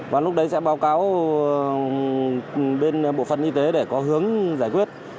và lúc đấy sẽ báo cáo bên bộ phận y tế để có hướng giải quyết